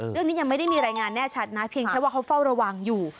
เรื่องนี้ยังไม่ได้มีรายงานแน่ชัดนะเพียงแค่ว่าเขาเฝ้าระวังอยู่